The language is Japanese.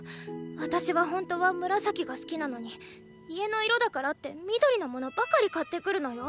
私は本当は紫が好きなのに家の色だからって緑のものばかり買ってくるのよ。